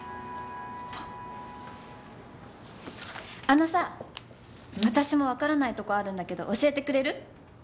あのさ私もわからないとこあるんだけど教えてくれる？